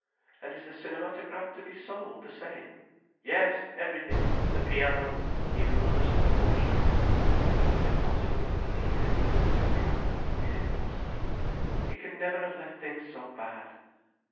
"And is the cinematograph to be sold the same?" "Yes—everything! The piano—even mother's portrait—" "It's impossible to believe it," said Miss Pinnegar. "It's impossible. He can never have left things so bad."